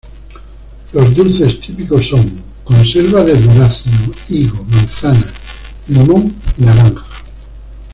Los dulces típicos son: conserva de durazno, higo, manzana, limón y naranja.